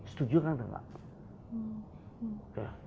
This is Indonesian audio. setuju kan atau enggak